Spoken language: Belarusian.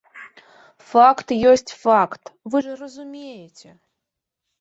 Факт ёсць факт, вы ж разумееце.